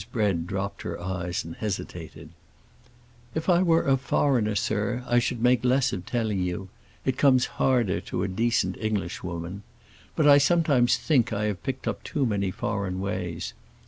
Mrs. Bread dropped her eyes and hesitated. "If I were a foreigner, sir, I should make less of telling you; it comes harder to a decent Englishwoman. But I sometimes think I have picked up too many foreign ways.